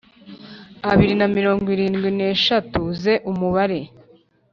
Abiri na mirongo irindwi n eshatu ze umubare